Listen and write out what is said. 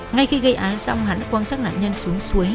ngay khi gây án xong hắn quan sát nạn nhân xuống suối